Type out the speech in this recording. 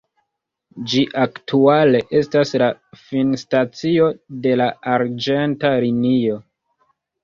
Ĝi aktuale estas la finstacio de la arĝenta linio.